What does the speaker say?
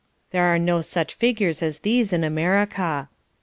There are no such figures as these in America.